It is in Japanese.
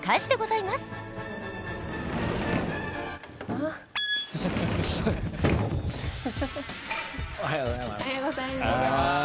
おはようございます。